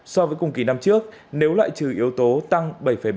so với cùng kỳ năm trước nếu loại trừ yếu tố tăng bảy bảy